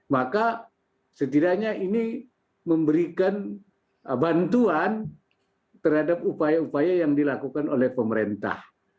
maka setidaknya ini memberikan bantuan terhadap upaya upaya yang dilakukan oleh pemerintah